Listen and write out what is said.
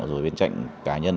rồi bên cạnh cá nhân